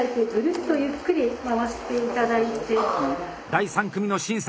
第３組の審査。